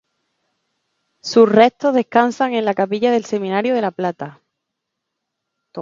Sus restos descansan en la capilla del Seminario de La Plata.